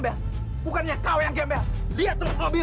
ternyata kau yang gembel lihat terus mobil